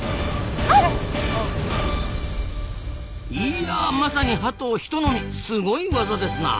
いやまさにハトをひと飲みすごいワザですな！